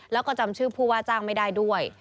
แล้วก็จำชื่อผู้ว่าจ้างไม่ได้ด้วย